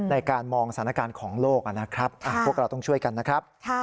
ในการมองสถานการณ์ของโลกนะครับพวกเราต้องช่วยกันนะครับ